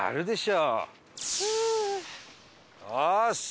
よし！